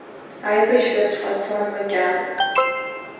Аибашьраҵәҟьа цон макьана…